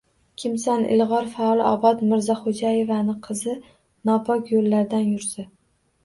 — Kimsan, ilg‘or faol Obod Mirzaxo‘jaevani qizi nopok yo‘llardan yursa.